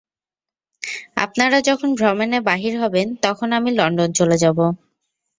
আপনারা যখন ভ্রমণে বাহির হবেন, তখন আমি লণ্ডন চলে যাব।